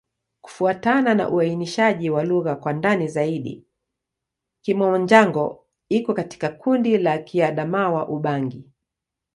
Kufuatana na uainishaji wa lugha kwa ndani zaidi, Kimom-Jango iko katika kundi la Kiadamawa-Ubangi.